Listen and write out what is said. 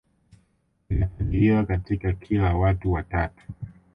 Inakadiriwa katika kila watu watatu